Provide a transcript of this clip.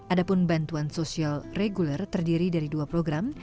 ada pun bantuan sosial reguler terdiri dari dua program